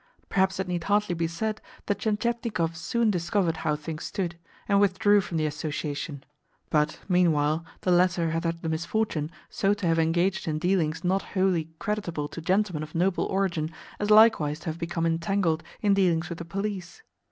Perhaps it need hardly be said that Tientietnikov soon discovered how things stood, and withdrew from the association; but, meanwhile, the latter had had the misfortune so to have engaged in dealings not wholly creditable to gentlemen of noble origin as likewise to have become entangled in dealings with the police.